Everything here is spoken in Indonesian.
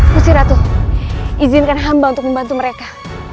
gustiratu izinkan hamba untuk membantu mereka